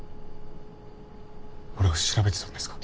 俺を調べてたんですか？